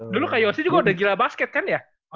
dulu kak yosi juga udah gila basket kan ya